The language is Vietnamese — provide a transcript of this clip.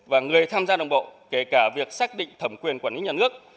và người tham gia đồng bộ kể cả việc xác định thẩm quyền quản lý nhà nước